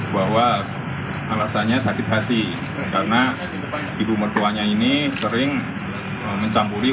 bahwa alasannya sakit hati karena ibu mertuanya ini sering mencampuri